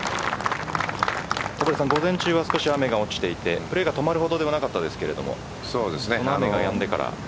戸張さん、午前中は雨が落ちていてプレーが止まるほどではなかったですけどこの雨がやんでから。